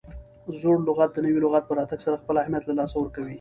زوړ لغت د نوي لغت په راتګ سره خپل اهمیت له لاسه ورکوي.